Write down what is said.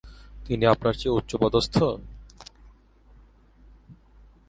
তিনি আপনার চেয়ে উচ্চপদস্থ?